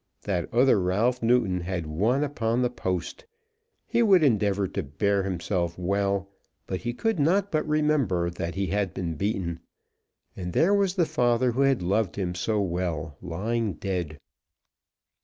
That other Ralph Newton had won upon the post. He would endeavour to bear himself well, but he could not but remember that he had been beaten. And there was the father who had loved him so well lying dead!